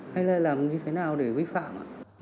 hay là làm như thế nào để vi phạm